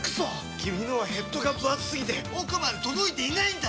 君のはヘッドがぶ厚すぎて奥まで届いていないんだっ！